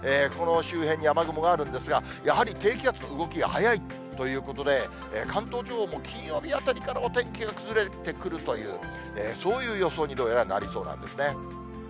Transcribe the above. この周辺に雨雲があるんですが、やはり低気圧の動きが速いということで、関東地方も金曜日あたりからはお天気が崩れてくるという、そういう予想に、どうやらなりそうなんですね。